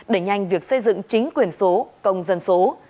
đẩy nhanh việc xây dựng chính quyền số công dân số